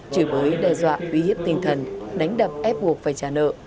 chỉ với đe dọa uy hiếp tinh thần đánh đập ép buộc phải trả nợ